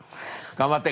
頑張って！